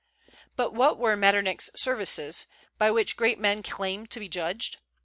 But what were Metternich's services, by which great men claim to be judged?